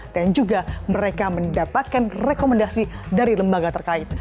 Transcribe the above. dan juga mereka mendapatkan rekomendasi dari lembaga terkait